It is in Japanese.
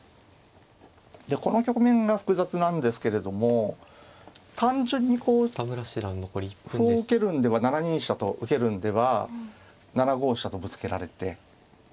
この局面が複雑なんですけれども単純にこう歩を受けるんでは７二飛車と受けるんでは７五飛車とぶつけられて。